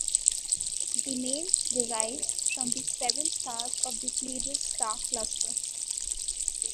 The name derives from the seven stars of the Pleiades star cluster.